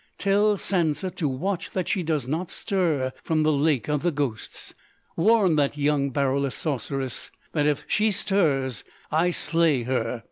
Tell Sansa to watch that she does not stir from the Lake of the Ghosts!... Warn that young Baroulass Sorceress that if she stirs I slay her.